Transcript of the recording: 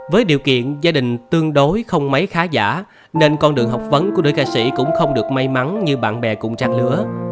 với điều kiện gia đình tương đối không mấy khá giả nên con đường học vấn của nữ ca sĩ cũng không được may mắn như bạn bè cùng trang lứa